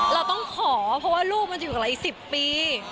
เราต้องขอเพราะว่าลูกมันอยู่กับเราอีก๑๐ปี